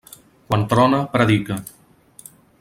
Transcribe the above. Quan trona, predica.